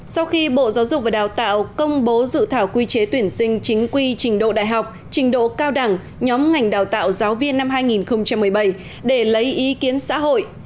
sau khi bộ giáo dục và đào tạo công bố dự thảo quy chế tuyển sinh chính quy trình độ đại học trình độ cao đẳng nhóm ngành đào tạo giáo viên năm hai nghìn một mươi bảy để lấy ý kiến xã hội